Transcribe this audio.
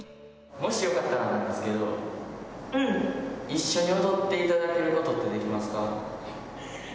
もしよかったらなんですけど、一緒に踊っていただけることってできますか？